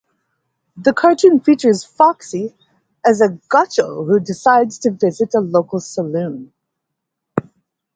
The cartoon features Foxy as a gaucho who decides to visit a local saloon.